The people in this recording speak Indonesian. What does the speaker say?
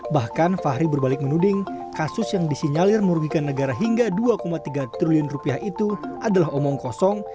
bahkan fahri berbalik menuding kasus yang disinyalir merugikan negara hingga dua tiga triliun rupiah itu adalah omong kosong